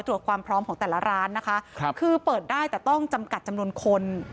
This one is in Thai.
ความพร้อมของแต่ละร้านนะคะครับคือเปิดได้แต่ต้องจำกัดจำนวนคน